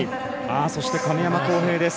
そして、亀山耕平です。